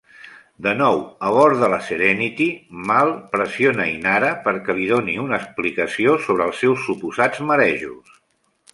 De nou a bord de la Serenity, Mal pressiona Inara perquè li doni una explicació sobre els seus suposats marejos.